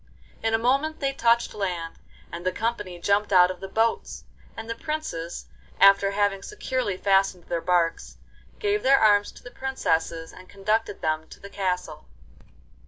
In a moment they touched land, and the company jumped out of the boats; and the princes, after having securely fastened their barques, gave their arms to the princesses and conducted them to the castle.